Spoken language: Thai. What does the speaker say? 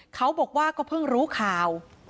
เขาบอกว่าก็เพิ่งรู้ข่าว